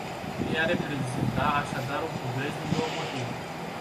Ea reprezenta, așadar, un progres, din două motive.